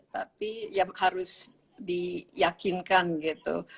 tapi yang harus diyakinkan gitu